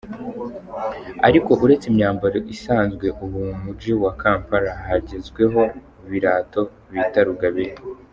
Ariko uretse imyambaro isanzwe ubu mu muji wa Kampala hagezweho birato bita rugabire.